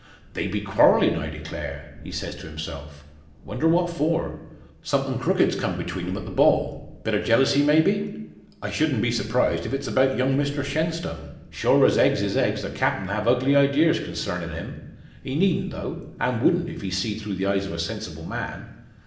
"They be quarrelling, I declare," he says to himself. "Wonder what for! Somethin' crooked's come between 'em at the ball bit o' jealousy, maybe? I shudn't be surprised if it's about young Mr Shenstone. Sure as eggs is eggs, the Captain have ugly ideas consarnin' him. He needn't, though; an' wouldn't, if he seed through the eyes o' a sensible man.